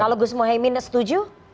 kalau gus muhaymin setuju